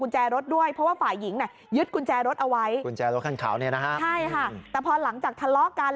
ใช่ค่ะแต่พอหลังจากทะเลาะกัน